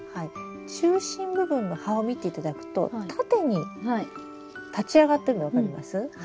中心部分の葉を見ていただくと縦に立ち上がってるの分かります？